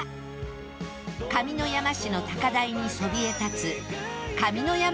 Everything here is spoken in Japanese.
上山市の高台にそびえ立つ